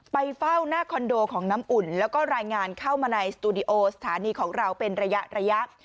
ไปเฝ้าหน้าคอนโดของน้ำอุ่นแล้วก็รายงานเข้ามาในสตูดิโอสถานีของเราเป็นระยะ